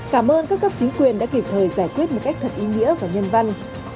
cảm ơn các cấp chính quyền đã kịp thời giải quyết một cách thật ý nghĩa và nhân văn